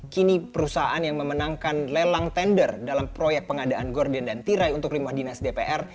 kini perusahaan yang memenangkan lelang tender dalam proyek pengadaan gorden dan tirai untuk rumah dinas dpr